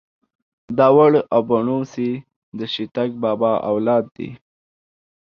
داوړ او بنوڅي ده شيتک بابا اولاد دې.